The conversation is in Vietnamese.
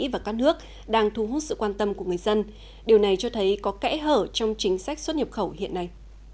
và các nước đang thu hút sự quan tâm của người dân điều này cho thấy có kẽ hở trong chính sách xuất nhập khẩu hiện nay